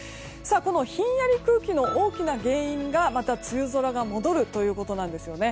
このひんやり空気の大きな原因がまた梅雨空が戻るということなんですよね。